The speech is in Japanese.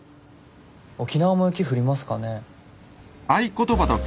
沖縄も雪降りますかね？